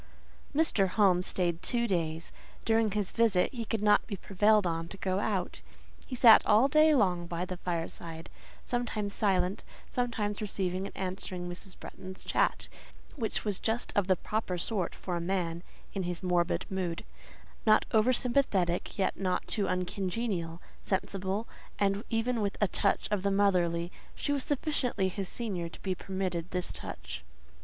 Mr. Home stayed two days. During his visit he could not be prevailed on to go out: he sat all day long by the fireside, sometimes silent, sometimes receiving and answering Mrs. Bretton's chat, which was just of the proper sort for a man in his morbid mood—not over sympathetic, yet not too uncongenial, sensible; and even with a touch of the motherly—she was sufficiently his senior to be permitted this touch.